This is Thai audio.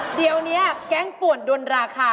เดี๋ยวนี้แก๊งป่วนด้วนราคา